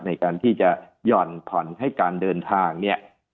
ในการที่จะหย่อนผ่อนให้การเดินทางเนี่ย